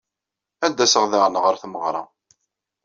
Ad d-aseɣ daɣen ɣer tmeɣra.